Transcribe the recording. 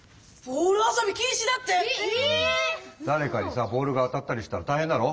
だれかにさボールが当たったりしたらたいへんだろ。